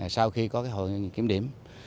sau khi có hội kiểm điểm